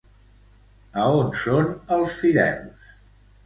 A on són els fidels?